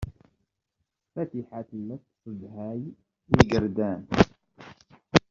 Fatiḥa tella tessedhay igerdan.